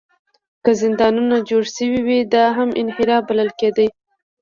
که زندانونه جوړ شوي وي، دا هم انحراف بلل کېده.